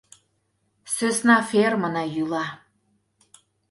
Сӧсна фермына йӱла.